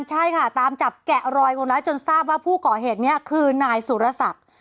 ใช่ค่ะตามจับแกะรอยคนร้ายจนทราบว่าผู้ก่อเหตุนี้คือนายสุรศักดิ์